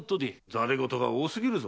戯れ言が多すぎるぞ。